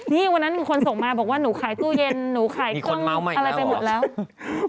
นี่วันนั้นมีคนส่งมาบอกว่าหนูขายตู้เย็นหนูขายเครื่องอะไรไปหมดแล้ว